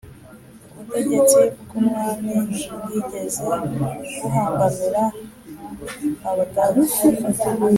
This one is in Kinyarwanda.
ubutegetsi bw'umwami ntibwigeze bubangamira abadage,